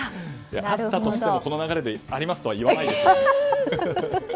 あったとしても、この流れでありますとは言わないです。